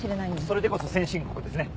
それでこそ先進国ですね。